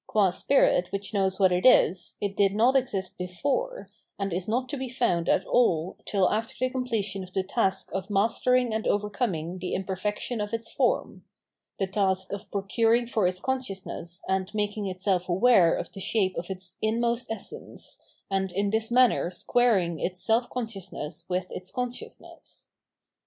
Qua spirit which knows what it is, it did not exist before, and is not to be fotmd at all till after the completion of the task of mastering and overcoming the imperfection of its form — the task of procuring for its consciousness and making itself aware of the shape of its inmost essence, and in this manner squaring its self conscious ness with its consciousness.